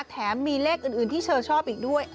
แถมมีเลขอื่นที่เธอชอบอีกด้วย